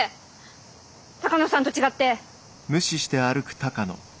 鷹野さんと違って。